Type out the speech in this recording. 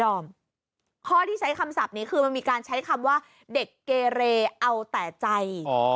ข้อที่ใช้คำศัพท์นี้คือมันมีการใช้คำว่าเด็กเกเรเอาแต่ใจ